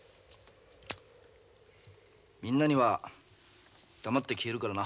みんなには黙って消えるからな。